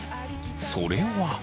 それは。